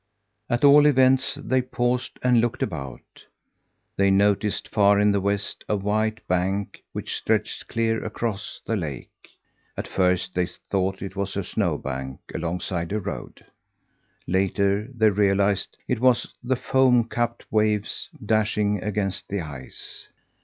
At all events, they paused and looked about. They noticed far in the west a white bank which stretched clear across the lake. At first they thought it was a snowbank alongside a road. Later they realized it was the foam capped waves dashing against the ice!